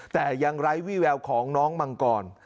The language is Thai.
แต่ยังไร้วี่แววของน้องมังกร